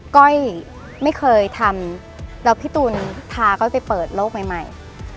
ก้อยไม่เคยทำแล้วพี่ตูนพาก้อยไปเปิดโลกใหม่